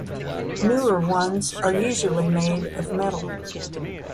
Newer ones are usually made of metal.